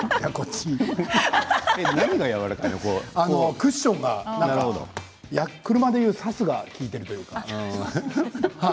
クッションが車でいう、さすが効いているというか。